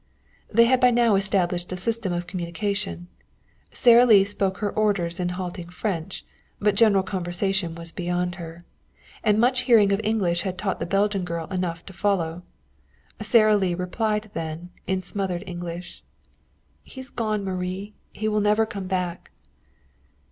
They had by now established a system of communication. Sara Lee spoke her orders in halting French, but general conversation was beyond her. And much hearing of English had taught the Belgian girl enough to follow. Sara Lee replied, then, in smothered English: "He is gone, Marie. He will never come back."